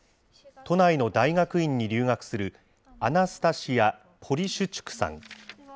都内の大学院に留学する、アナスタシア・ポリシュチュクさん。